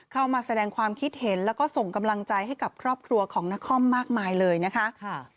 เข้ามาแสดงความคิดเห็นแล้วก็ส่งกำลังใจให้กับครอบครัวของนครมากมายเลยนะคะ